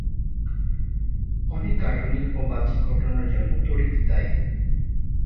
অনেক গাঠনিক ও বাহ্যিক ঘটনার জন্য তড়িৎ দায়ী।